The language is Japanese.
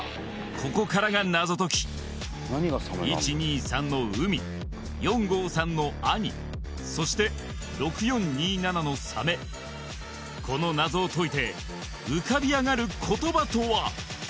ここからが謎解き「１２３」の「海」「４５３」の「兄」そして「６４２７」の「サメ」この謎を解いて浮かび上がる言葉とは？